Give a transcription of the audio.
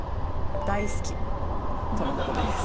「大好き」との事です。